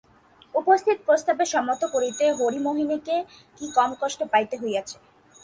উপস্থিত প্রস্তাবে সম্মত করিতে হরিমোহিনীকেই কি কম কষ্ট পাইতে হইয়াছে!